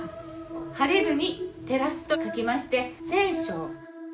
「晴れる」に「照らす」と書きまして「晴照」。